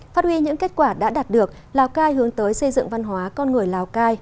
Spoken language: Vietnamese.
phát huy những kết quả đã đạt được lào cai hướng tới xây dựng văn hóa con người lào cai